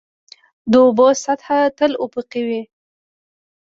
د اوبو سطحه تل افقي وي.